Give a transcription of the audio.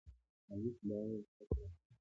مالک باید حق واخلي.